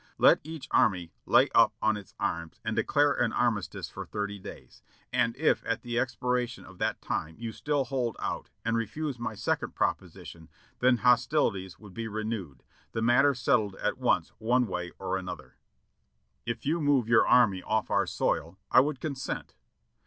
Let each army lay up on its arms and declare an armistice for thirty days, and if at the expiration of that time you still hold out, and refuse my second proposition, then hostilities would be renewed; the matter settled at once one way or another," "If you move your army off our soil, I would consent."